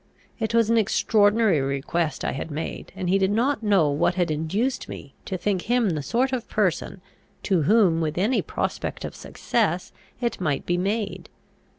It was an extraordinary request I had made, and he did not know what had induced me to think him the sort of person to whom, with any prospect of success, it might be made.